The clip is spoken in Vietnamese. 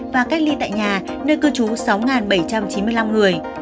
và cách ly tại nhà nơi cư trú sáu bảy trăm chín mươi năm người